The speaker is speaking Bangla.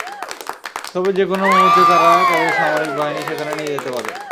তবে যেকোনো মুহূর্তে তারা তাদের সামরিক বাহিনী সেখানে নিয়ে যেতে পারে।